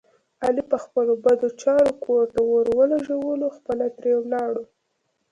علي په خپلو بدو چارو کور ته اور ولږولو خپله ترې ولاړو.